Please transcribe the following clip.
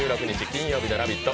金曜日の「ラヴィット！」。